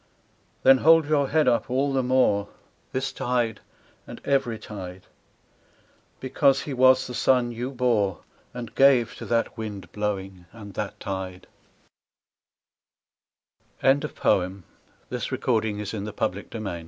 Then hold your head up all the more. This tide, And every tide; Because he was the son you bore, And gave to that wind blowing and that tide I 51 THE VERDICTS (JUTLAND) Not in the thick of t